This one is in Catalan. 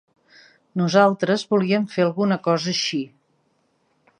Nosaltres volíem fer alguna cosa així.